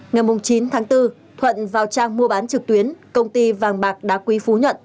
ngày chín tháng bốn thuận vào trang mua bán trực tuyến công ty vàng bạc đá quý phú nhuận